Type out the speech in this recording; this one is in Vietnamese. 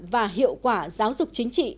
và hiệu quả giáo dục chính trị